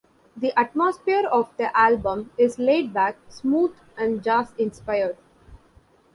The atmosphere of the album is laidback, smooth, and jazz-inspired.